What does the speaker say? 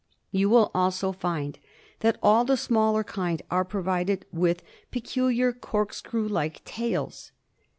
You will also find that all tht smaller kind are provided with peculiar corkscrew liki tails.